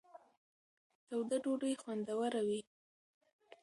توده ډوډۍ خوندوره وي.